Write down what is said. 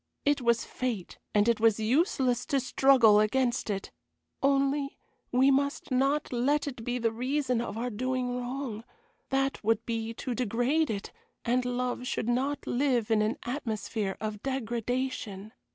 It was fate, and it was useless to struggle against it. Only we must not let it be the reason of our doing wrong that would be to degrade it, and love should not live in an atmosphere of degradation.